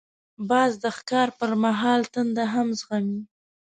باز د ښکار پر مهال تنده هم زغمي